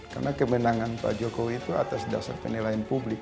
karena kemenangan pak jokowi itu atas dasar penilaian publik